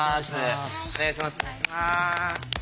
お願いします。